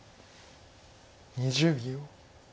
２０秒。